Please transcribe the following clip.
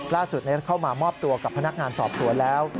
ล่าสุดเข้ามามอบตัวกับผู้นักงานสอบสวนแล้ว